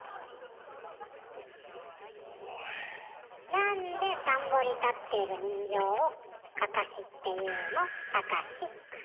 なんで田んぼに立っている人形を「かかし」っていうの？